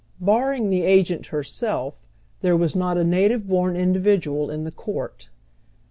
Barring the agent herself, there was not a iiative horn individual in the court.